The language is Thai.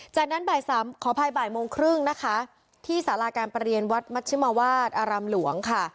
จากนั้นบ่ายซ้ำขอภัยบ่ายโมงครึ่งที่สาราการประเรียนวัฒน์มัชมวาสอรรำหลวง